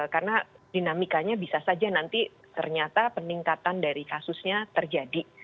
karena dinamikanya bisa saja nanti ternyata peningkatan dari kasusnya terjadi